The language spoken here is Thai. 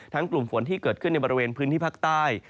กลุ่มฝนที่เกิดขึ้นในบริเวณพื้นที่ภาคใต้